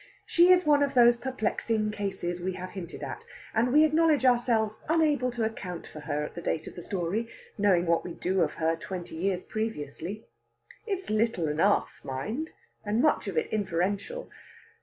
She is one of those perplexing cases we have hinted at, and we acknowledge ourselves unable to account for her at the date of the story, knowing what we do of her twenty years previously. It's little enough, mind, and much of it inferential.